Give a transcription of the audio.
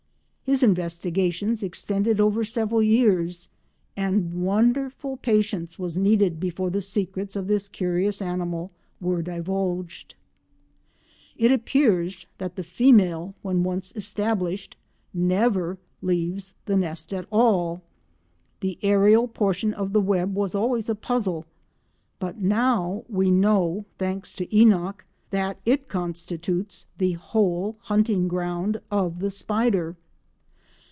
His investigations extended over several years, and wonderful patience was needed before the secrets of this curious animal were divulged. It appears that the female, when once established, never leaves the nest at all! The aerial portion of the web was always a puzzle, but now we know, thanks to Enock, that it constitutes the whole hunting ground of the spider.